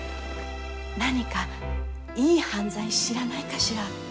何かいい犯罪知らないかしら。